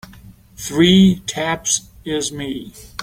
Three taps is me.